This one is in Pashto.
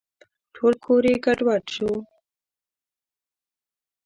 ټول کور یې ګډوډ شو .